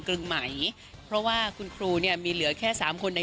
กรึ่งไหมเพราะว่าคุณครูมีเหลือแค่สามคนประเทศไทย